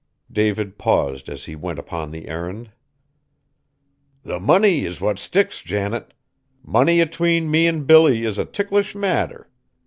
David paused as he went upon the errand. "The money is what sticks, Janet. Money atween me an' Billy is a ticklish matter.